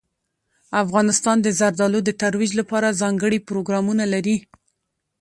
افغانستان د زردالو د ترویج لپاره ځانګړي پروګرامونه لري.